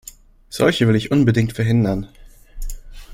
Solche will ich unbedingt verhindern!